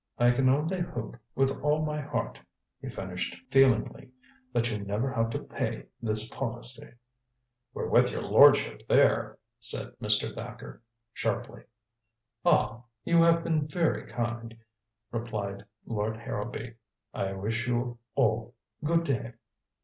"I can only hope, with all my heart," he finished feelingly, "that you never have to pay this policy." "We're with your lordship there," said Mr. Thacker sharply. "Ah you have been very kind," replied Lord Harrowby. "I wish you all good day."